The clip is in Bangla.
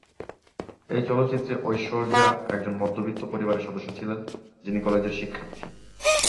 এই চলচ্চিত্রে, ঐশ্বর্যা একজন মধ্যবিত্ত পরিবারের সদস্য ছিলেন, যিনি কলেজের শিক্ষার্থী।